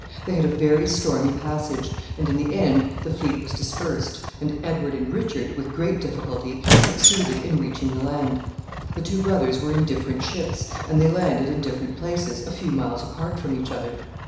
They had a very stormy passage, and in the end the fleet was dispersed, and Edward and Richard with great difficulty succeeded in reaching the land. The two brothers were in different ships, and they landed in different places, a few miles apart from each other.